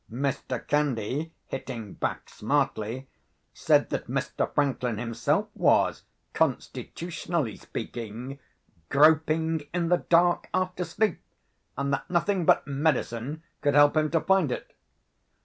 Mr. Candy, hitting back smartly, said that Mr Franklin himself was, constitutionally speaking, groping in the dark after sleep, and that nothing but medicine could help him to find it.